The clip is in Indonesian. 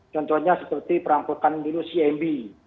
contohnya seperti perampokan dulu cmb